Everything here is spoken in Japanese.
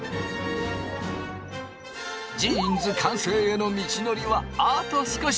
ジーンズ完成への道のりはあと少し。